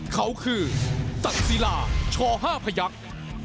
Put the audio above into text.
เขาคือตัดสีลาช่อห้าพระยักษ์